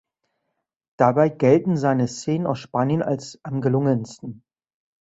Dabei gelten seine Szenen aus Spanien als am gelungensten.